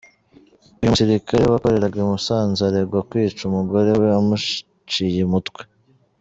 Uyu musirikare wakoreraga i Musanze aregwa kwica umugore we amuciye umutwe .